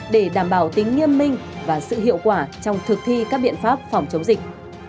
để đảm bảo tính nghiêm minh và sự hiệu quả trong thực thi các biện pháp phòng chống dịch